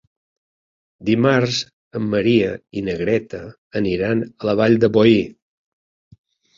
Dimarts en Maria i na Greta aniran a la Vall de Boí.